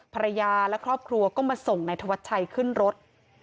ภรรยาและครอบครัวก็มาส่งนายธวัชชัยขึ้นรถ